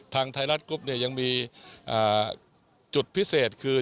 ทางไทยรัฐกรุ๊ปเนี่ยยังมีจุดพิเศษคือ